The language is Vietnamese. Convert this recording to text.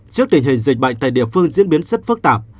trước tình hình dịch bệnh tại địa phương diễn biến rất phức tạp